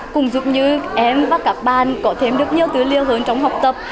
cũng giúp như em và các bạn có thêm được nhiều tư liệu hơn trong học tập